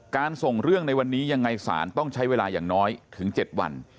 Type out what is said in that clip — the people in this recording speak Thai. ส่งเรื่องในวันนี้ยังไงศาลต้องใช้เวลาอย่างน้อยถึง๗วัน